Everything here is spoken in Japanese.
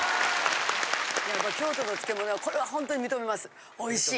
京都の漬物はこれはほんとに認めますおいしい。